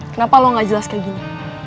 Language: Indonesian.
kenapa lo gak jelas kayak gini